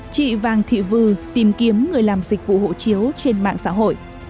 chị vàng thị vư tìm kiếm người làm dịch vụ hộ chiếu trên mạng xã hội